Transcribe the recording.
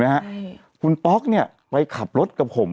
เราก็มีความหวังอะ